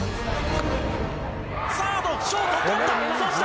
サード、ショート捕った。